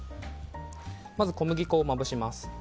まず小麦粉をまぶします。